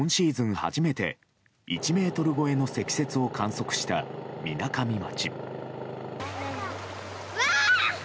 初めて１ｍ超えの積雪を観測したみなかみ町。